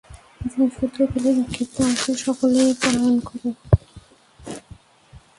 জিনিসপত্র ফেলে বিক্ষিপ্ত অবস্থায় সকলেই পলায়ন করে।